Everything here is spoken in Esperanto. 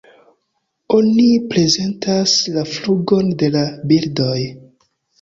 Oni prezentas la flugon de la birdoj.